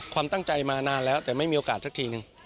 ความตั้งใจมานานแล้วแต่ไม่มีโอกาสสักทีหนึ่ง